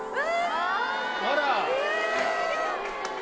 あら。